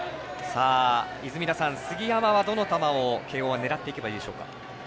泉田さん、杉山はどの球を慶応は狙っていけばいいでしょうか。